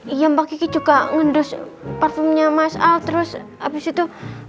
iya mbak kiki juga ngundus parfumnya mas al terus habis itu